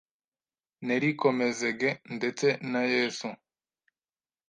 nerikomezege ndetse n’Yesu